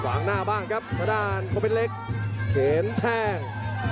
ฝั่งหน้าบ้างครับประดานโคมเป็นเล็กเข็นแท่ง